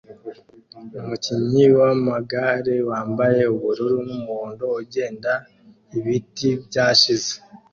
Umukinnyi wamagare wambaye ubururu numuhondo ugenda ibiti byashize